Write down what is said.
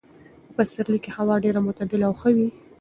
په پسرلي کې هوا ډېره معتدله او ښه وي.